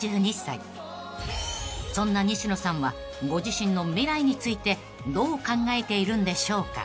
［そんな西野さんはご自身の未来についてどう考えているんでしょうか］